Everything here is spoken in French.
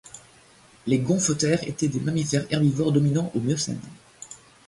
Les gomphothères étaient des mammifères herbivores dominants au Miocène.